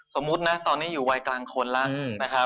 สมมุตินะตอนนี้อยู่วัยกลางคนแล้วนะครับ